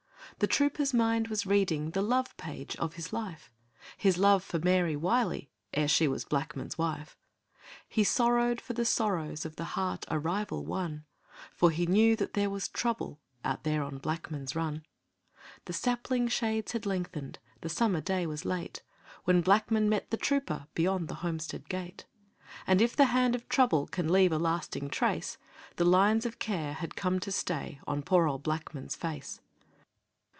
The trooper's mind was reading The love page of his life His love for Mary Wylie Ere she was Blackman's wife; He sorrowed for the sorrows Of the heart a rival won, For he knew that there was trouble Out there on Blackman's Run. The sapling shades had lengthened, The summer day was late, When Blackman met the trooper Beyond the homestead gate. And if the hand of trouble Can leave a lasting trace, The lines of care had come to stay On poor old Blackman's face.